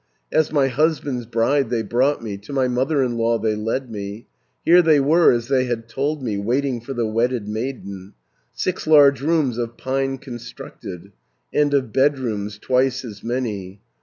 "As my husband's bride they brought me, To my mother in law they led me. Here there were, as they had told me, Waiting for the wedded maiden, Six large rooms of pine constructed, And of bedrooms twice as many.